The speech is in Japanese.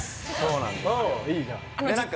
うんいいじゃん